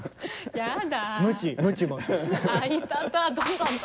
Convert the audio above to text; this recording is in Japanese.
やだ。